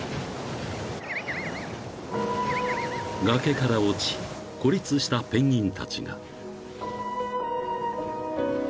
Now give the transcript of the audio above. ［崖から落ち孤立したペンギンたちが］